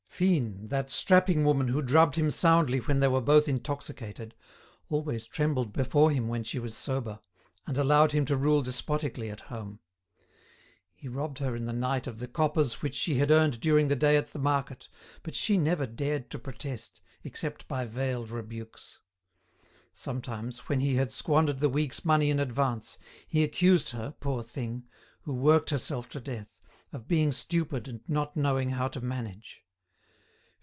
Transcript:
Fine, that strapping woman who drubbed him soundly when they were both intoxicated, always trembled before him when she was sober, and allowed him to rule despotically at home. He robbed her in the night of the coppers which she had earned during the day at the market, but she never dared to protest, except by veiled rebukes. Sometimes, when he had squandered the week's money in advance, he accused her, poor thing, who worked herself to death, of being stupid and not knowing how to manage.